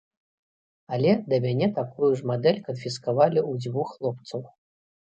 Але да мяне такую ж мадэль канфіскавалі ў двух хлопцаў.